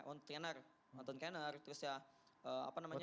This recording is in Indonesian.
untuk tiner lonton tiner terus ya apa namanya